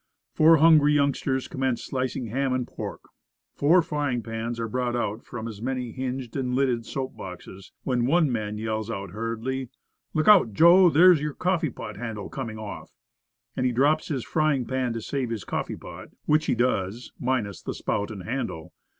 Four hungry youngsters com mence slicing ham and pork, four frying pans are brought out from as many hinged and lidded soap boxes when one man yells out hurriedly, "Look out, Joe, there's your coffee pot handle coming off." And he drops his frying pan to save his coffee pot, which he does, minus the spout and handle.